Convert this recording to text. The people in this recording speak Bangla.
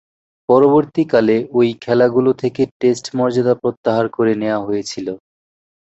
পরবর্তীকালে ঐ খেলাগুলো থেকে টেস্ট মর্যাদা প্রত্যাহার করে নেয়া হয়েছিল।